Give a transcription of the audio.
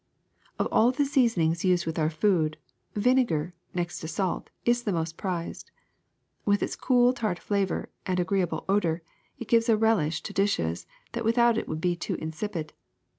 *^0f all the seasonings used with our food, vine gar, next to salt, is the most prized. With its cool, tart flavor and agreeable odor it gives a relish to dishes that without it would be too insipid.